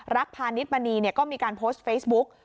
พาณิชมณีก็มีการโพสต์เฟซบุ๊ก